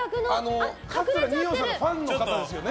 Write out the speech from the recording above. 二葉さんのファンの方ですね。